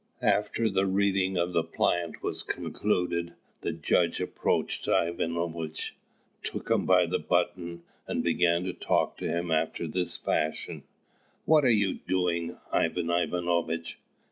After the reading of the plaint was concluded, the judge approached Ivanovitch, took him by the button, and began to talk to him after this fashion: "What are you doing, Ivan Ivanovitch?